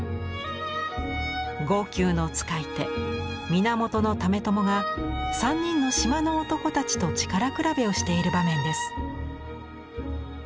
強弓の使い手源為朝が３人の島の男たちと力比べをしている場面です。